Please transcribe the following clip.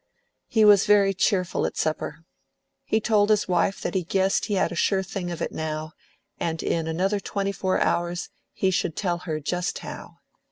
He was very cheerful at supper. He told his wife that he guessed he had a sure thing of it now, and in another twenty four hours he should tell her just how.